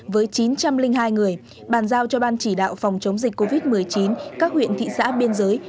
với chín trăm linh hai người bàn giao cho ban chỉ đạo phòng chống dịch covid một mươi chín các huyện thị xã biên giới